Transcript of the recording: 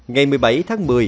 ngày một mươi bảy tháng một mươi